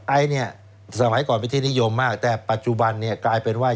ไอ้นี่สมัยก่อนวิธีนิยมมากแต่ปัจจุบันกลายเป็นว่า